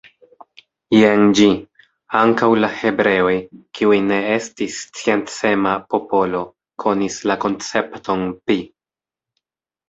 Jen ĝi: Ankaŭ la hebreoj, kiuj ne estis sciencema popolo, konis la koncepton pi.